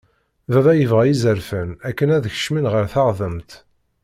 Baba yebɣa izerfan akken ad kecmeɣ ɣer teɣdemt.